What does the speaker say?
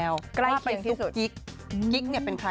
สวัสดีค่ะ